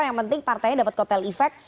yang penting partainya dapat kotel efek